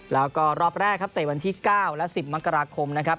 แล้วก็รอบแรกครับเตะวันที่๙และ๑๐มกราคมนะครับ